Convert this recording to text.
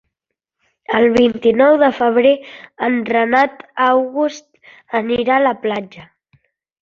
El vint-i-nou de febrer en Renat August irà a la platja.